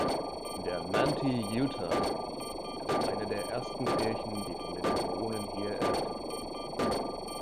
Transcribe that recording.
Der Manti-Utah-Tempel ist eine der ersten Kirchen, die von den Mormonen hier errichtet wurden.